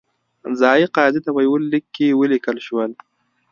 ځايي قاضي ته په یوه لیک کې ولیکل شول.